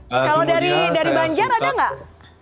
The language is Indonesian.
kalau dari banjar ada nggak